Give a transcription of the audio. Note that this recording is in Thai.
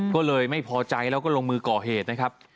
ก็เลยไม่พอใจแล้วก็ลงมือก่อเหตุนะครับ